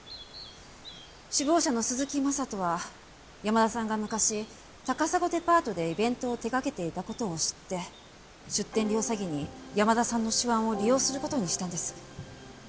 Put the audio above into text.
首謀者の鈴木昌人は山田さんが昔高砂デパートでイベントを手掛けていた事を知って出店料詐欺に山田さんの手腕を利用する事にしたんです。